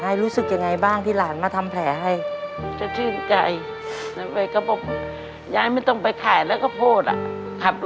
อยู่ไหมครับ